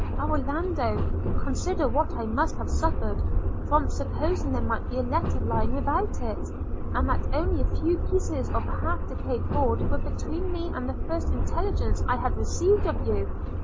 Oh, Orlando! consider what I must have suffered, from supposing there might be a letter lying without it; and that only a few pieces of half decayed board were between me and the first intelligence I had received of you!